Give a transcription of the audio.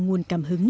nguồn cảm hứng